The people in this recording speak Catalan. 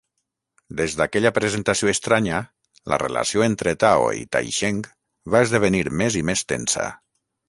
Des d'aquella presentació estranya, la relació entre Tao i Taisheng va esdevenir més i més tensa.